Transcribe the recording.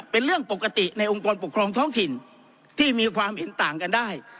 เป็นเรื่องปกติในองค์กรปกครองท้องถิ่นที่มีความเห็นต่างกันได้